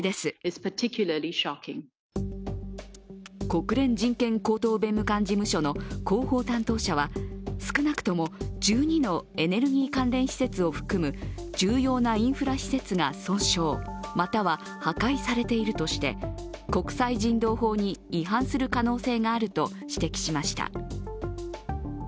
国連人権高等弁務官事務所の広報担当者は少なくとも１２のエネルギー関連施設を含む重要なインフラ施設が損傷、または破壊されているとして国際人道法に違反する可能性があると指摘しました。